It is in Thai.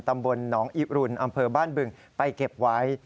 ตำบลหนองอิรุณอำเภอบ้านบึงไปเก็บไว้